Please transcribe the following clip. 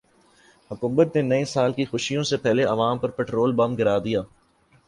حکومت نے نئے سال کی خوشیوں سے پہلے عوام پر پیٹرول بم گرا دیا